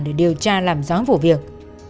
để điều tra làm gió vụ việc